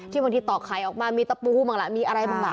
บางทีตอกไข่ออกมามีตะปูบ้างล่ะมีอะไรบ้างล่ะ